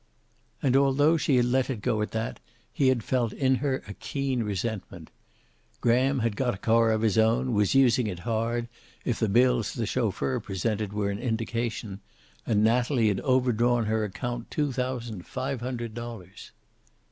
And, although she had let it go at that, he had felt in her a keen resentment. Graham had got a car of his own, was using it hard, if the bills the chauffeur presented were an indication, and Natalie had overdrawn her account two thousand five hundred dollars.